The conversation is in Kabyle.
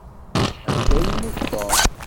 Amek ay yemmut Tom?